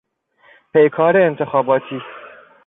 پیکار انتخاباتی